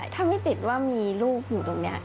ถ้าไม่ติดว่ามีลูกอยู่ตรงนี้